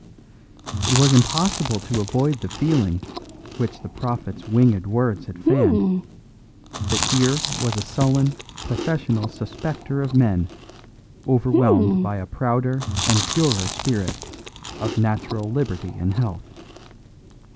It was impossible to avoid the feeling which the prophet's winged words had fanned, that here was a sullen, professional suspecter of men overwhelmed by a prouder and purer spirit of natural liberty and health.